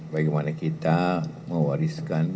bagaimana kita mewariskan